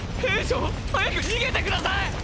兵長早く逃げてください！！